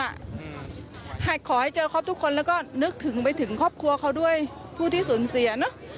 หากขอให้เจอครบทุกคนแล้วก็นึกถึงไปถึงครอบครัวเขาด้วยผู้ที่สูญเสียเนอะ